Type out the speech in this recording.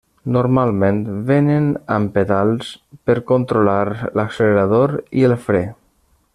Normalment venen amb pedals per controlar l'accelerador i el fre.